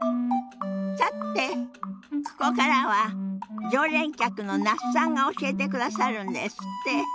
さてここからは常連客の那須さんが教えてくださるんですって。